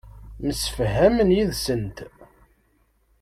Msefhamen yid-sent.